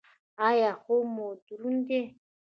ایا خوب مو دروند دی؟